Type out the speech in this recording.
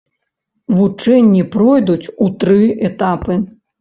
Вучэнні пройдуць у тры этапы.